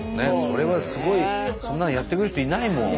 それはすごいそんなのやってくれる人いないもん。